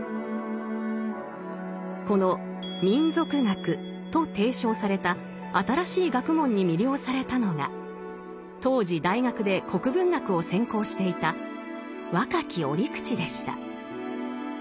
この「民俗学」と提唱された新しい学問に魅了されたのが当時大学で国文学を専攻していた若き折口でした。